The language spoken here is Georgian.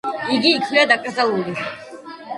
იგი იქვეა დაკრძალული.